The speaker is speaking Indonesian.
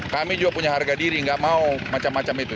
kami juga punya harga diri nggak mau macam macam itu